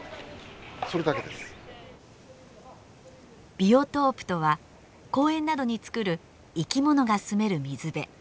ビオトープとは公園などに造る「生き物」が住める水辺。